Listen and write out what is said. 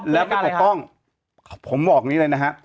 แล้วไม่ปกป้องแล้วไม่ปกป้องผมบอกนี้เลยนะฮะ